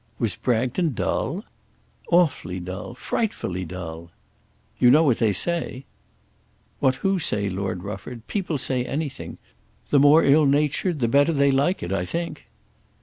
"Was Bragton dull?" "Awfully dull; frightfully dull." "You know what they say?" "What who say, Lord Rufford? People say anything, the more ill natured the better they like it, I think."